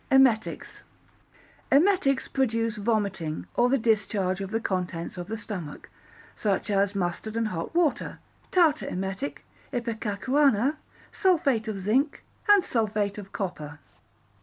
Emetics Emetics produce vomiting, or the discharge of the contents of the stomach, such as mustard and hot water, tartar emetic, ipecacuanha, sulphate of zinc, and sulphate of copper.